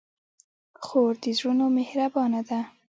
خور د زړونو مهربانه ده.